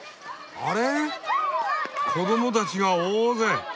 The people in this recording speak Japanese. あれ？